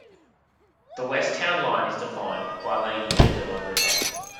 The west town line is defined by the Unadilla River.